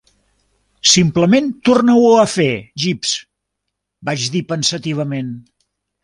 "Simplement torna-ho a fer, Jeeves", vaig dir pensativament.